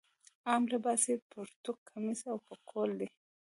عام لباس یې پرتوګ کمیس او پکول دی.